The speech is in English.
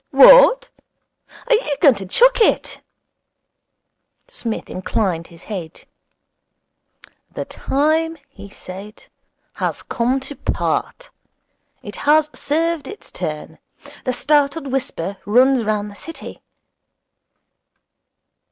'What, are you going to chuck it?' Psmith inclined his head. 'The time,' he said, 'has come to part. It has served its turn. The startled whisper runs round the City.